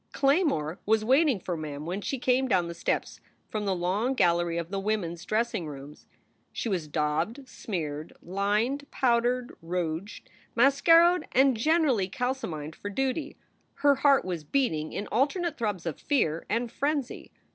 Claymore was waiting for Mem when she came down the steps from the long gallery of the women s dressing rooms. She was daubed, smeared, lined, powdered, rouged, mas caroed, and generally calcimined for duty. Her heart was beating in alternate throbs of fear and frenzy.